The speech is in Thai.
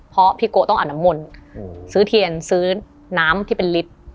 เพราะพี่โกะต้องอาบน้ำมนต์ซื้อเทียนซื้อน้ำที่เป็นลิตร